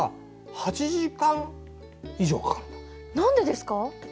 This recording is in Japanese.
何でですか？